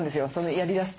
やりだすと。